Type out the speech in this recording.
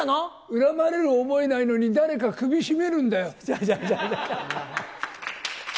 恨まれる覚えないのに、誰か首絞めるんだよ。